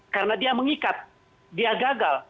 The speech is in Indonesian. karena dia mengikat dia gagal